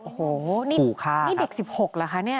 โอ้โหนี่เด็ก๑๖เหรอคะเนี่ย